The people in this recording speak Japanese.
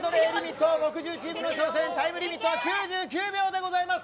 木１０チームの挑戦タイムリミットは９９秒です。